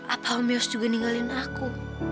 apa om yus juga ninggalin aku